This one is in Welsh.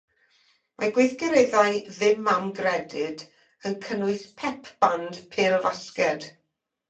Mae gweithgareddau ddim-am-gredyd yn cynnwys pep-band pêl-fasged.